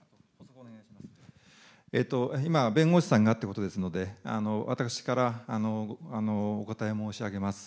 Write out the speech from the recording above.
今、弁護士さんがということですので、私からお答え申し上げます。